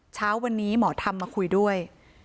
เช้าวันนี้หมอธรรมมาคุยด้วย